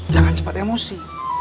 jangan cepat emosi